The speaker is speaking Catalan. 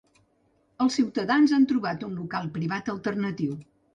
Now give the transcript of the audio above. Els ciutadans han trobat un local privat alternatiu.